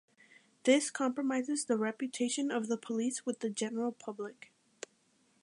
This compromises the reputation of the police with the general public.